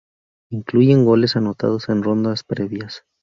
Incluye goles anotados en rondas previas.